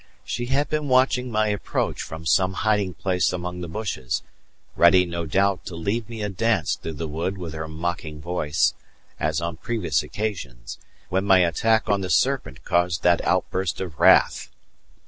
She had been watching my approach from some hiding place among the bushes, ready no doubt to lead me a dance through the wood with her mocking voice, as on previous occasions, when my attack on the serpent caused that outburst of wrath.